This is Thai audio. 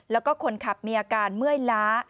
แล้วก็คนขับมีอาการเมื่อยล้า